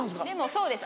そうです